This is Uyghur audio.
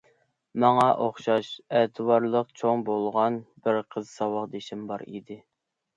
ماڭا ئوخشاش ئەتىۋارلىق چوڭ بولغان بىر قىز ساۋاقدىشىم بار ئىدى.